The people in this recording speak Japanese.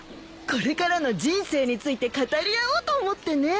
これからの人生について語り合おうと思ってね。